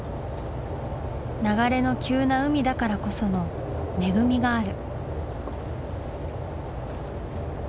流れの急な海だからこその恵みがある。